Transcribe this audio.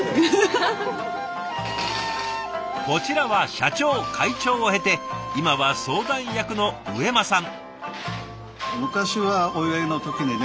こちらは社長会長を経て今は相談役の上間さん。